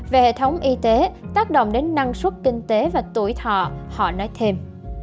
về hệ thống y tế tác động đến năng suất kinh tế và tuổi thọ họ nói thêm